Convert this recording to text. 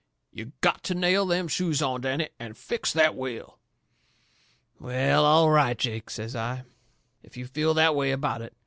You GOTTO nail them shoes on, Danny, and fix that wheel." "Well, all right, Jake," says I, "if you feel that way about it.